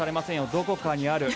どこかにある。